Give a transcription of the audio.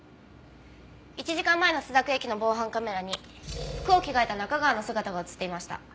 １時間前の朱雀駅の防犯カメラに服を着替えた中川の姿が映っていました。